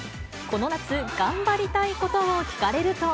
この夏、頑張りたいことを聞かれると。